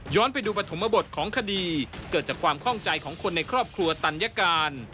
ไปดูปฐมบทของคดีเกิดจากความคล่องใจของคนในครอบครัวตัญการ